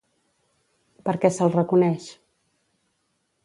Per què se'l reconeix?